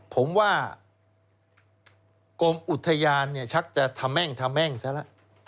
ผมว่ากรมอุทยานชักจะทำแม่งทะแม่งซะละ